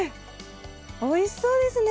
おいしそうですね。